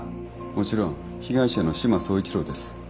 もちろん被害者の志摩総一郎です。